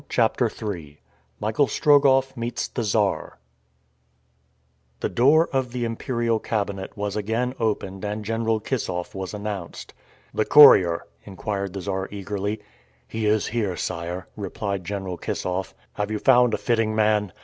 CHAPTER III MICHAEL STROGOFF MEETS THE CZAR THE door of the imperial cabinet was again opened and General Kissoff was announced. "The courier?" inquired the Czar eagerly. "He is here, sire," replied General Kissoff. "Have you found a fitting man?"